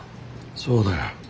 そうだよ。